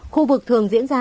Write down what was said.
khu vực thường diễn ra